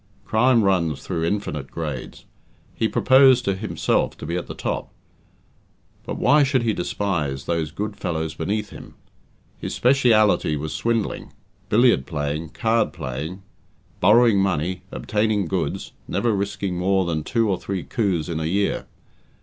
Crime runs through infinite grades. He proposed to himself to be at the top; but why should he despise those good fellows beneath him? His speciality was swindling, billiard playing, card playing, borrowing money, obtaining goods, never risking more than two or three coups in a year.